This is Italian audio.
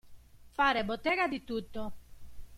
Fare bottega di tutto.